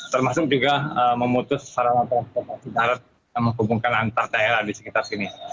termasuk juga memutus sarana transportasi darat yang menghubungkan antar daerah di sekitar sini